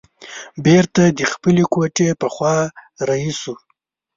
بیرته د خپلې کوټې په خوا رهي شوم.